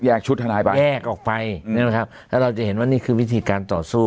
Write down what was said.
ชุดทนายบ้านแยกออกไปนะครับแล้วเราจะเห็นว่านี่คือวิธีการต่อสู้